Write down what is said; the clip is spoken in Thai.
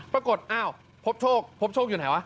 ปรากฏอ้าวพบโชคพบโชคอยู่ไหนวะ